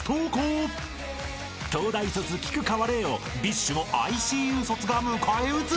［東大卒菊川怜をＢｉＳＨのＩＣＵ卒が迎え撃つ］